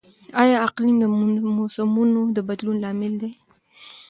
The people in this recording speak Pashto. آیا اقلیم د موسمونو د بدلون لامل نه دی؟